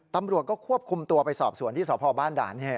ตำรวจก็ควบคุมตัวไปสอบสวนที่สพบ้านด่าน